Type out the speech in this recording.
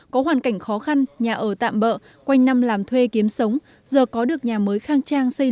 có hoàn cảnh khó khăn nhà ở tạm bỡ quanh năm làm thuê kiếm sống giờ có được nhà mới khang trang xây